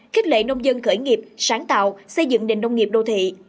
khích lệ nông dân khởi nghiệp sáng tạo xây dựng nền nông nghiệp đô thị